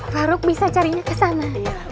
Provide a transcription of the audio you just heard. faruk bisa carinya kesana